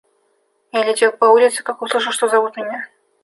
Я летел по улице, как услышал, что зовут меня.